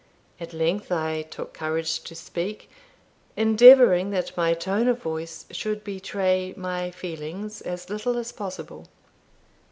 At length I took courage to speak, endeavouring that my tone of voice should betray my feelings as little as possible.